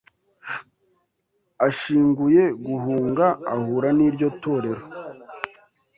Ashinguye guhunga ahura niryo torero